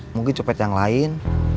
mungkin copet yang lain